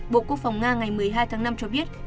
bộ quốc phòng nga ngày một mươi hai tháng năm cho biết